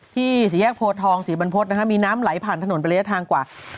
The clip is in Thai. ที่ศรีแยกโพธิธรรมศรีบรรพฤษมีน้ำไหลผ่านถนนไปเรียกทางกว่า